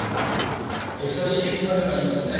お二人仲がいいんですね。